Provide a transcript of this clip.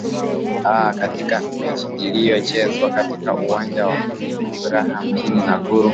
aah katika mechi iliyochezwa katika uwanja wa afuraha mjini nakuru